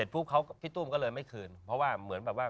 พี่ตู้มก็เลยไม่คืนเพราะว่าเหมือนแบบว่า